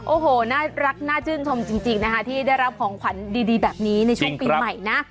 โอ้โหน่ารักน่าชื่นชมจริงนะคะที่ได้รับของขวัญดีแบบนี้ในช่วงปีใหม่นะ